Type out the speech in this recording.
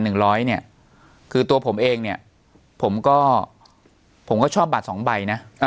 ร้อยเนี่ยคือตัวผมเองเนี่ยผมก็ผมก็ชอบบัตรสองใบนะ